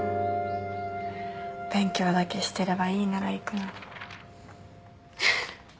勉強だけしてればいいなら行くのに。